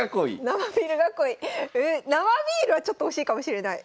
生ビールはちょっと惜しいかもしれない。